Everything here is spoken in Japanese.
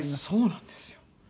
そうなんですよ。